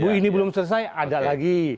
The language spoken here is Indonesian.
bu ini belum selesai ada lagi